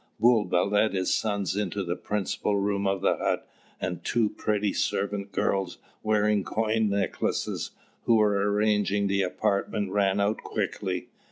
Bulba led his sons into the principal room of the hut; and two pretty servant girls wearing coin necklaces, who were arranging the apartment, ran out quickly.